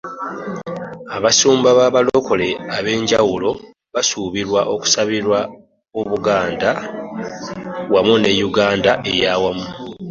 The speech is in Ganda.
Abasumba b'abalokole ab'enjawulo basuubirwa okusabirwa obuganda wamu ne Uganda ey'awamu